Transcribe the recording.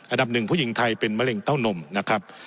อันดับหนึ่งผู้หญิงไทยเป็นมะเร็งเต้านมนะครับ